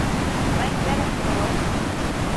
¿Maytrawtaq kawan?